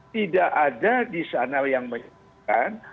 tidak ada di sana yang menyebutkan